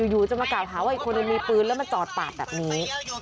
อยู่จะมากล่าวหาว่าอีกคนหนึ่งมีปืนแล้วมาจอดปาดแบบนี้